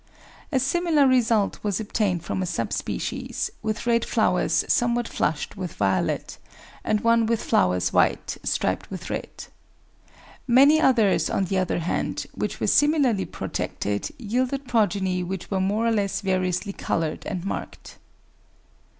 A similar result was obtained from a sub species, with red flowers somewhat flushed with violet, and one with flowers white, striped with red. Many others, on the other hand, which were similarly protected, yielded progeny which were more or less variously coloured and marked.